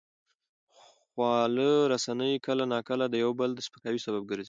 خواله رسنۍ کله ناکله د یو بل د سپکاوي سبب ګرځي.